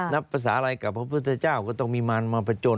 นับภาษานากลับพระพฤษเจ้าก็ต้องมีมามันมาประจน